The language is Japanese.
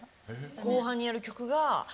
後半にやる曲がさっき。